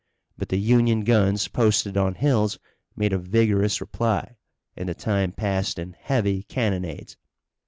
But the Union guns posted on hills made a vigorous reply and the time passed in heavy cannonades.